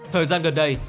thời gian gần đây